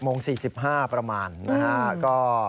๑๐โมง๔๕ประมาณนะฮะก็